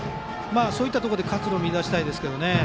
そういったところに活路を見いだしたいです。